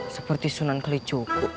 seperti sunan keli cuku